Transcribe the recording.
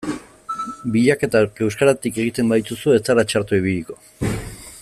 Bilaketak euskaratik egiten badituzu ez zara txarto ibiliko.